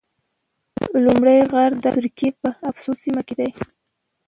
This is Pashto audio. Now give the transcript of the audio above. لومړی غار د ترکیې په افسوس سیمه کې ده.